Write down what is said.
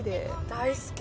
大好き。